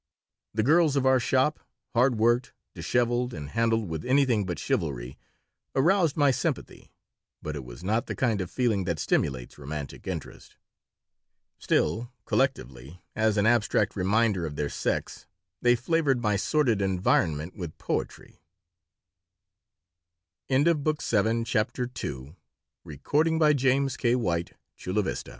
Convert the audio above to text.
The girls of our shop, hard worked, disheveled, and handled with anything but chivalry, aroused my sympathy, but it was not the kind of feeling that stimulates romantic interest. Still, collectively, as an abstract reminder of their sex, they flavored my sordid environment with poetry CHAPTER III THE majority of the students at the College of the City of New Yor